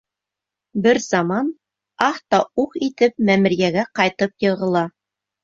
Бер заман аһ та уһ итеп мәмерйәгә ҡайтып йығыла.